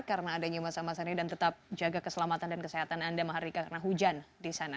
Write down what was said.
karena adanya masa masa ini dan tetap jaga keselamatan dan kesehatan anda mahardika karena hujan di sana